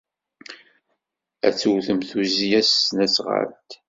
Ad d-tewtemt tuzzya s tesnasɣalt.